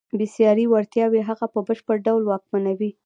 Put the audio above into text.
بېساري وړتیاوې هغه په بشپړ ډول واکمنوي.